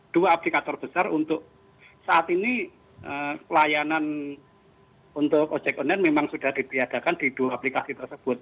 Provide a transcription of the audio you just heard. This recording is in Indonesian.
dua aplikator besar untuk saat ini pelayanan untuk ojek online memang sudah ditiadakan di dua aplikasi tersebut